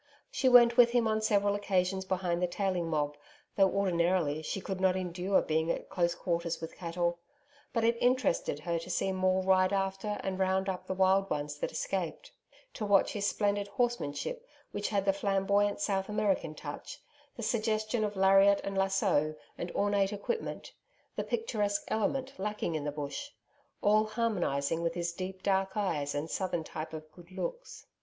She went with him on several occasions behind the tailing mob, though ordinarily, she could not endure being at close quarters with cattle. But it interested her to see Maule ride after and round up the wild ones that escaped; to watch his splendid horsemanship which had the flamboyant South American touch the suggestion of lariat and lasso and ornate equipment, the picturesque element lacking in the Bush all harmonizing with his deep dark eyes and Southern type of good looks.